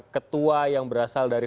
ketua yang berasal dari